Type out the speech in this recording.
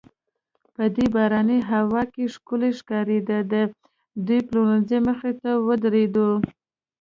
په دې باراني هوا کې ښکلې ښکارېده، د یوې پلورنځۍ مخې ته ودریدو.